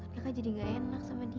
mereka jadi gak enak sama dia